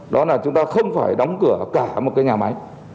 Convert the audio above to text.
đó là chúng ta không phải đóng cửa cả một cái nhà máy